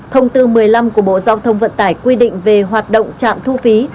thông tư một mươi năm của bộ giao thông vận tải quy định về hoạt động trạm thu phí